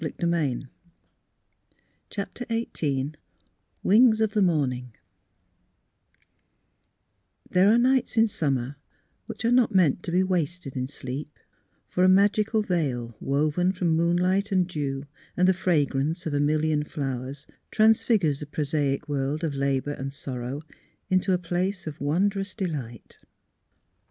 'N' I done m' best." CHAPTER XVni WINGS OF THE MORNING There are nights in summer wMcli are not meant to be wasted in sleep, for a magical veil, woven from moonlight and dew and the fragrance of a million flowers, transfigures the prosaic world of labour and sorrow into a place of wondrous de light.